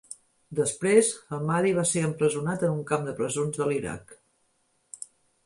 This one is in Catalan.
Després, Hammadi va ser empresonat en un camp de presons de l'Iraq.